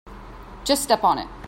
Just step on it.